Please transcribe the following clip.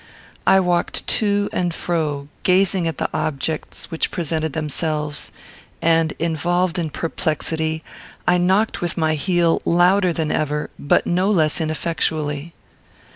I walked to and fro, gazing at the objects which presented themselves; and, involved in perplexity, I knocked with my heel louder than ever; but no less ineffectually.